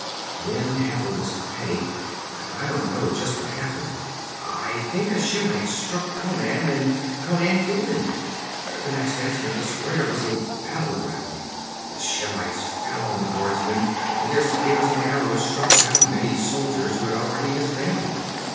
'Then hell was to pay! I don't know just what happened. I think a Shemite struck Conan, and Conan killed him. The next instant the square was a battleground. The Shemites fell on the guardsmen, and their spears and arrows struck down many soldiers who had already disbanded.